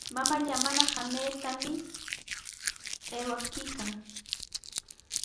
Mamallaa mana samaypami awakuykan.